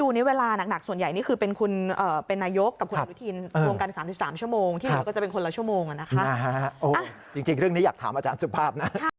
นี้เวลานักส่วนใหญ่นี่คือเป็นคุณเป็นนายกกับคุณอนุทินรวมกัน๓๓ชั่วโมงที่เราก็จะเป็นคนละชั่วโมงนะคะจริงเรื่องนี้อยากถามอาจารย์สุภาพนะ